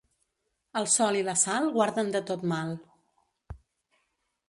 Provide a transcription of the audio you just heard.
El sol i la sal guarden de tot mal.